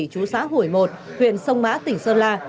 chú xã hủy một huyện sông mã tỉnh sơn la